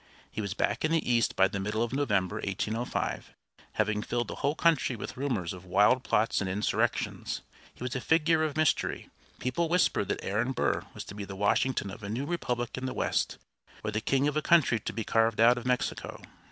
He was back in the East by the middle of November, 1805, having filled the whole country with rumors of wild plots and insurrections. He was a figure of mystery. People whispered that Aaron Burr was to be the Washington of a new republic in the West, or the king of a country to be carved out of Mexico.